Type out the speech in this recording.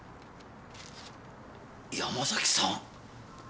山崎さん！